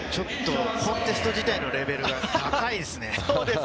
コンテスト自体のレベルが高いですね。